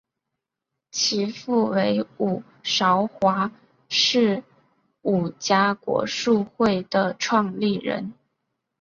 其父为伍绍华是伍家国术会的创立人。